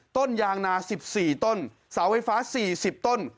ต้นยางนา๑๔ต้นเสาไฟฟ้า๔๐ต้น